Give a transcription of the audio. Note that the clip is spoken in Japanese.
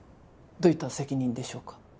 どういった責任でしょうか？